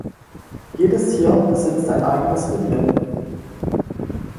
Jedes Tier besitzt ein eigenes Revier.